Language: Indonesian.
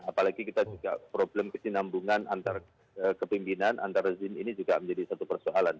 apalagi kita juga problem kesinambungan antar kepimpinan antar rezim ini juga menjadi satu persoalan